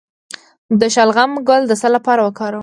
د شلغم ګل د څه لپاره وکاروم؟